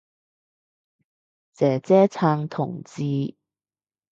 姐姐撐同志